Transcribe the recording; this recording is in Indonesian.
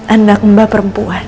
anak mbak perempuan